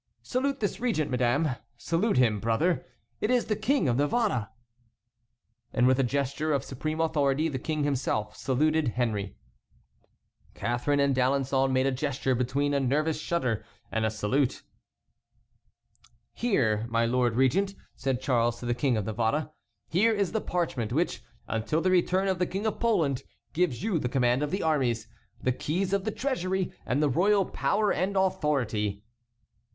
Salute this regent, madame; salute him, brother; it is the King of Navarre!" And with a gesture of supreme authority the King himself saluted Henry. Catharine and D'Alençon made a gesture between a nervous shudder and a salute. "Here, my Lord Regent," said Charles to the King of Navarre, "here is the parchment which, until the return of the King of Poland, gives you the command of the armies, the keys of the treasury, and the royal power and authority."